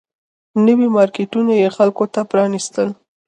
نوي مارکیټونه یې خلکو ته پرانيستل